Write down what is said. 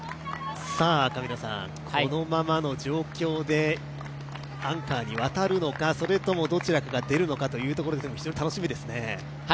このままの状況でアンカーに渡るのかそれともどちらかが出るのかというところですが、非常に楽しみですね。